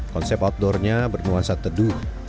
konsep outdoornya bernuansa teduh